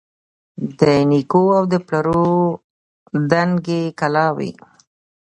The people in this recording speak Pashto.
د نیکو او د پلرو دنګي کلاوي